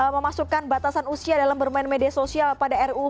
memasukkan batasan usia dalam bermain media sosial pada ruu